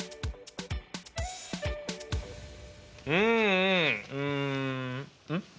うんうんうんん？